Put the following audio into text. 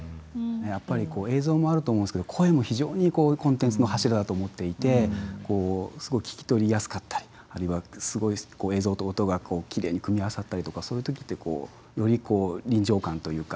やっぱりこう映像もあると思うんですけど声も非常にコンテンツの柱だと思っていてすごい聞き取りやすかったりあるいはすごい映像と音がきれいに組み合わさったりとかそういう時ってより臨場感というか自分の中に入っていきますね。